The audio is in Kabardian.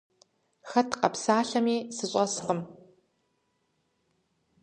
Хэт къэпсалъэми сыщӀэскъым.